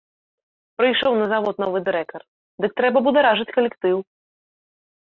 Прыйшоў на завод новы дырэктар, дык трэба бударажыць калектыў.